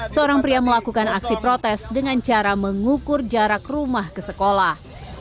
seorang pria melakukan aksi protes dengan cara mengukur jarak rumah ke sekolah